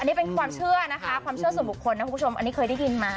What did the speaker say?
นี่เป็นความเชื่อนะคะความเชื่อส่วนบุคคลนะคุณผู้ชมอันนี้เคยได้ยินมา